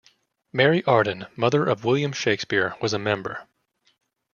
Mary Arden, mother of William Shakespeare, was a member.